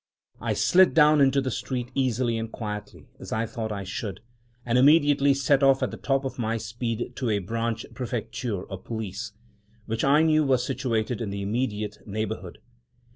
I slid down into the street easily and quietly, as I thought I should, and immediately set off at the top of my speed to a branch "Prefecture" of Police, which I knew was situated in the immediate neighborhood.